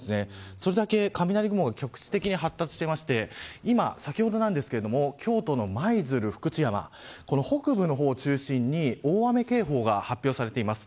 それだけ雷雲が局地的に発達していて先ほど京都の舞鶴、福知山北部の方を中心に大雨警報が発表されています。